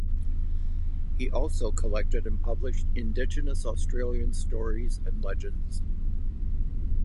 He also collected and published Indigenous Australian stories and legends.